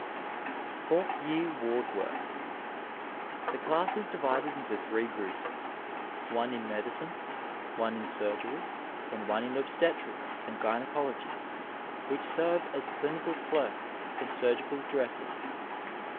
Fowrik Year Ward Work. — ^The dass is divided into three groups (one in medicine, one insur^ry, and one in obstetrics and gysdnology) which serve as clinical clerks and surgical dressers.